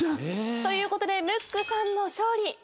ということでムックさんの勝利。